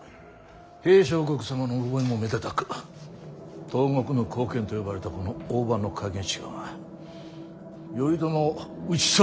平相国様の覚えもめでたく東国の後見と呼ばれたこの大庭景親が頼朝を討ち取る。